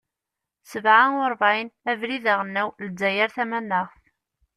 Sebɛa uṛebɛin, Abrid aɣelnaw, Lezzayer tamanaɣt.